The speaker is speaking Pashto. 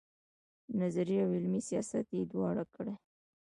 نظري او عملي سیاست یې دواړه کړي.